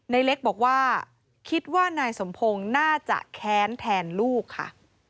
ในเล็กบอกว่าคิดว่านายสมพงศ์น่าจะแค้นแทนลูกค่ะ